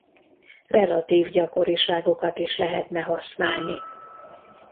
Relatív gyakoriságokat is lehetne használni.